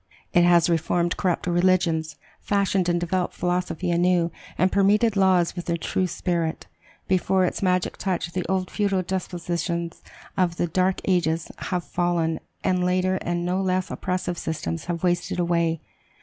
It has reformed corrupt religions, fashioned and developed philosophy anew, and permeated laws with their true spirit. Before its magic touch, the old feudal despotisms of the dark ages have fallen, and later and no less oppressive systems have wasted away.